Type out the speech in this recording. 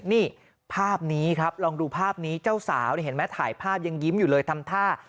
นี่ภาพนี้ครับลองดูภาพนี้เจ้าสาวเนี่ยเห็นไหมถ่ายภาพยังยิ้มอยู่เลยทำท่า